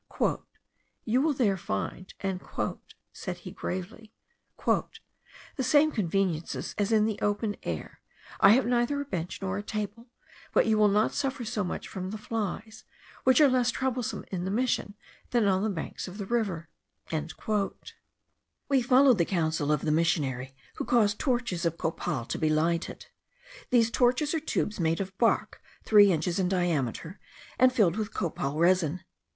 "You will there find," said he gravely, "the same conveniences as in the open air; I have neither a bench nor a table, but you will not suffer so much from the flies, which are less troublesome in the mission than on the banks of the river." We followed the counsel if the missionary, who caused torches of copal to be lighted. These torches are tubes made of bark, three inches in diameter, and filled with copal resin.